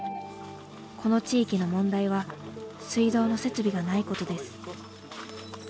この地域の問題は水道の設備がないことです。